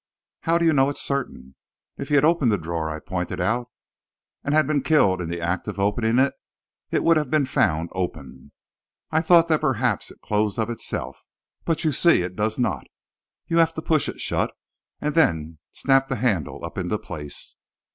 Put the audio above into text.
"How do you know it's certain?" "If he had opened the drawer," I pointed out, "and been killed in the act of opening it, it would have been found open. I had thought that perhaps it closed of itself, but you see that it does not. You have to push it shut, and then snap the handle up into place."